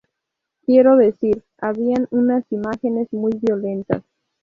Quiero decir, habían unas imágenes muy violentas.